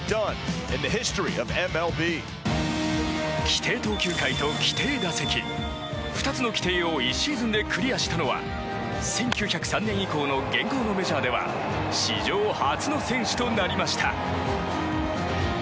規定投球回と規定打席２つの規定を１シーズンでクリアしたのは１９０３年以降の現行のメジャーでは史上初の選手となりました。